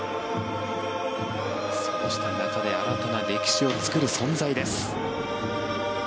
そうした中で新たな歴史を作る存在です。